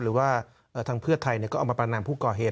หรือว่าทางเพื่อไทยก็เอามาประนามผู้ก่อเหตุ